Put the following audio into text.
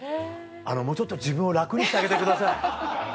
あのもうちょっと自分を楽にしてあげてください。